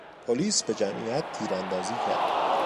پلیس به جمعیت تیر اندازی کرد.